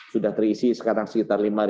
sudah terisi sekarang sekitar